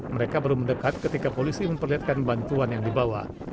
mereka baru mendekat ketika polisi memperlihatkan bantuan yang dibawa